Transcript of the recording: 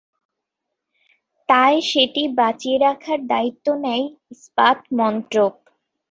তাই সেটি বাঁচিয়ে রাখার দায়িত্ব নেয় ইস্পাত মন্ত্রক।